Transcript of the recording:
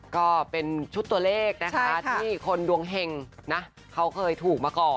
ก็เป็นชุดตัวเลขนะคะที่คนดวงเห็งนะเขาเคยถูกมาก่อน